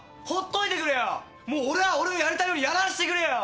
もう俺は俺のやりたいようにやらせてくれよ。